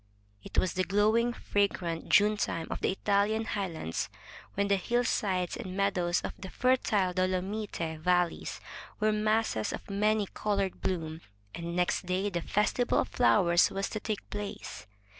It was the glowing, fragrant June time of the Italian high lands, when the hillsides and meadows of the fertile Dolomite valleys were masses of many colored bloom, and next day the Festival of Flowers was to take place.